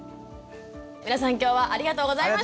皆さん今日はありがとうございました。